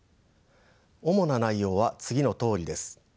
主な内容は次のとおりです。